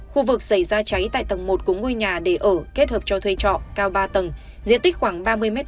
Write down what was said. khu vực xảy ra cháy tại tầng một của ngôi nhà để ở kết hợp cho thuê trọ cao ba tầng diện tích khoảng ba mươi m hai